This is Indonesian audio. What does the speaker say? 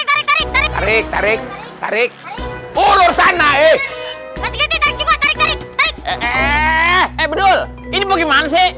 menarik tarik menarik puluh sanaikah strugglingid ketawa tarik tarik hai hehehe bedul ini bagi manci